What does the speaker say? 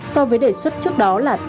so với đề xuất trước đó là tám